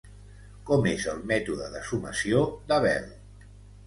Com és el mètode de sumació d'Abel?